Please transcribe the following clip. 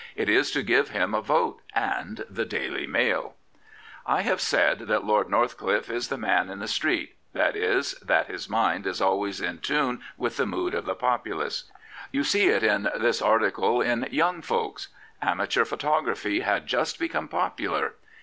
It is to give him a vote and the Daily Mail I have said that Lord Northcliffe is the man in the street, that is, that his mind is always in tune with the mood of the populace. You see it in this article in Young Folks. Amateur photography had just become popular.